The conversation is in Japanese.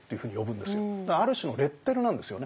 だからある種のレッテルなんですよね。